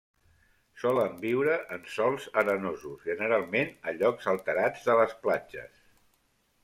Solen viure en sòls arenosos, generalment a llocs alterats de les platges.